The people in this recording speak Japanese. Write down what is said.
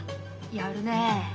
やるね。